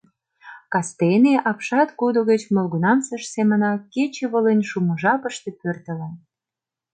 Кастене апшаткудо гыч молгунамсыж семынак кече волен шумо жапыште пӧртылын.